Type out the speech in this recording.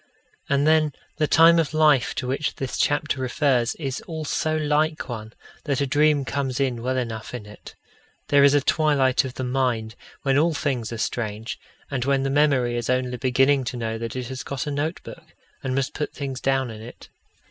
And then the time of life to which this chapter refers is all so like one, that a dream comes in well enough in it. There is a twilight of the mind, when all things are strange, and when the memory is only beginning to know that it has got a notebook, and must put things down in it.